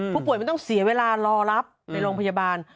ผู้ป่วยมันต้องเสียเวลารอรับในโรงพยาบาล